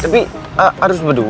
tapi harus berdua